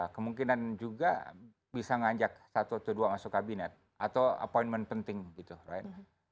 kemungkinan juga bisa ngajak satu atau dua masuk kabinet atau appointment penting gitu right